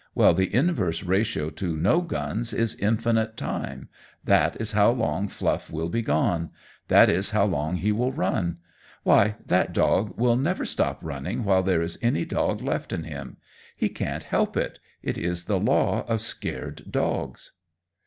Well, the inverse ratio to no guns is infinite time that is how long Fluff will be gone; that is how long he will run. Why, that dog will never stop running while there is any dog left in him. He can't help it it is the law of scared dogs."